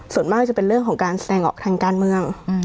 ส่วนมากจะเป็นเรื่องของการแสดงออกทางการเมือง